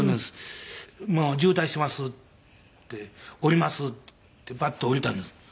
「もう渋滞してます」って「降ります」って言ってバッと降りたんです。